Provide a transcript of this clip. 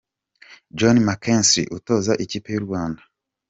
Johnny Mckinstry, utoza ikipe y’u Rwanda.